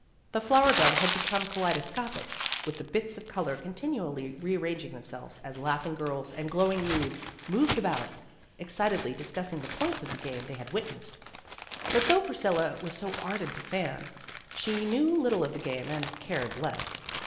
The flower bed had become kaleido scopic, with the bits of color continually re arranging themselves, as laughing girls and glowing youths moved about, excitedly discuss ing the points of the game they had witnessed. But though Priscilla was so ardent a fan, she knew little of the game and cared less.